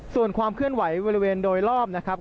ส่วนความเคลื่อนไหวบริเวณโดยรอบนะครับ